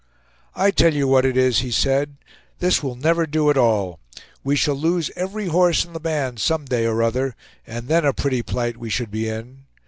"I tell you what it is," he said, "this will never do at all. We shall lose every horse in the band someday or other, and then a pretty plight we should be in!